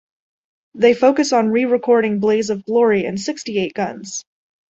They focused on re-recording "Blaze of Glory" and "Sixty Eight Guns.